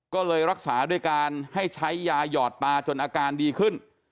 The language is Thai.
ก็เลยรักษาด้วยการให้ใช้ยาหยอดตาจนอาการดีขึ้น